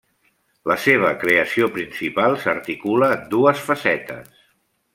La seva creació principal s'articula en dues facetes.